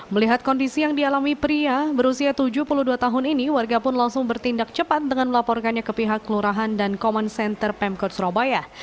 melihat kondisi yang dialami pria berusia tujuh puluh dua tahun ini warga pun langsung bertindak cepat dengan melaporkannya ke pihak kelurahan dan command center pemkot surabaya